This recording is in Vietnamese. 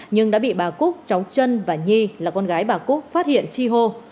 nhưng đã bị bà cúc cháu trân và nhi là con gái bà cúc phát hiện chi hô